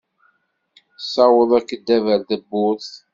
Ssaweḍ akeddab ar tawwurt.